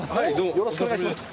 よろしくお願いします。